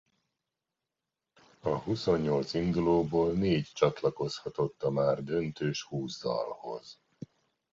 A huszonnyolc indulóból négy csatlakozhatott a már döntős húsz dalhoz.